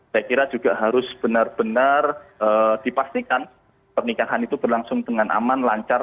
saya kira juga harus benar benar dipastikan pernikahan itu berlangsung dengan aman lancar